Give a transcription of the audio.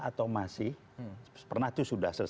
atau masih pernah itu